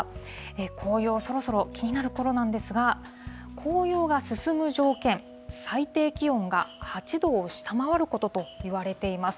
紅葉、そろそろ気になるころなんですが、紅葉が進む条件、最低気温が８度を下回ることといわれています。